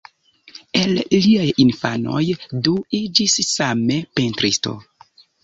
El liaj infanoj du iĝis same pentristo.